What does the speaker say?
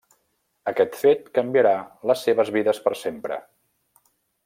Aquest fet canviarà les seves vides per sempre.